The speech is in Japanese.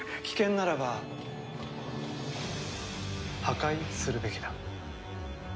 危険ならば破壊するべきだ。